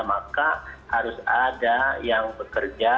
maka harus ada yang bekerja